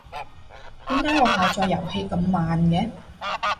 點解我下載遊戲咁慢嘅？